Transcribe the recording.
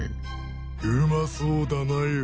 うまそうだなよ。